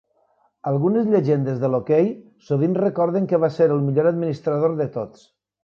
Algunes llegendes del hoquei sovint recorden que va ser el millor administrador de tots.